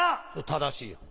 正しいよ。